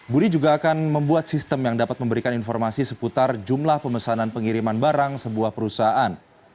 budi juga akan membuat sistem yang dapat memberikan informasi seputar jumlah pemesanan pengiriman barang sebuah perusahaan